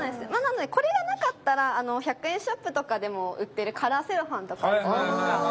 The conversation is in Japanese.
まあなのでこれがなかったら１００円ショップとかでも売ってるカラーセロハンとかあるじゃないですか。